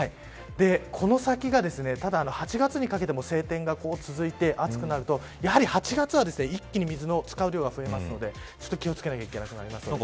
この先が、ただ８月にかけても晴天が続いて暑くなるとやはり８月は一気に水の使う量が増えるので気を付けなければいけなくなります。